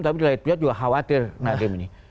tapi lainnya juga khawatir nadiem ini